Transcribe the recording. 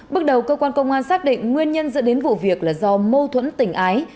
bước đầu cơ quan công an xác định nguyên nhân dẫn đến vụ việc là do mâu thuẫn tình ái